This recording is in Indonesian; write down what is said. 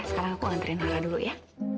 sekarang aku nganterin nara dulu ya